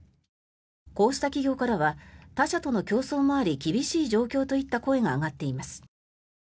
こうした企業からは他社との競争もあり厳しい状況といった声も上がっています。